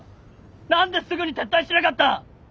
何ですぐに撤退しなかった！